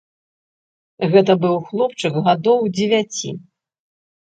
Гэта быў хлопчык гадоў дзевяці.